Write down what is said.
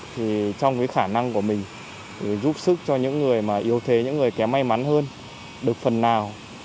thì trong cái khả năng của mình giúp sức cho những người mà yếu thế những người kém may mắn hơn được phần nào